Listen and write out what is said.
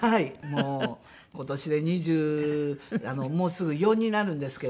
もう今年で二十もうすぐ２４になるんですけれども。